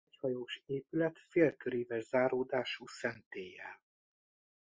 Egyhajós épület félköríves záródású szentéllyel.